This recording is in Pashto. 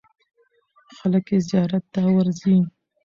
خلک یې زیارت ته ورځي.